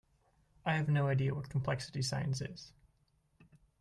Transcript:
I have no idea what complexity science is.